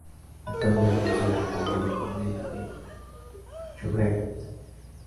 Actualmente es el alcalde de Cornellá de Llobregat.